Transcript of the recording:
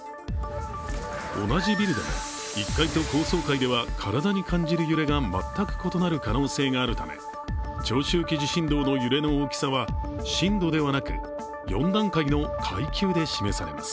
同じビルでも１階と高層階では体に感じる揺れが全く異なる可能性があるため長周期地震動の揺れの大きさは震度ではなく４段階の階級で示されます。